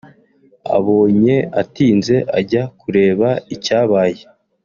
abonye atinze ajya kureba icyabaye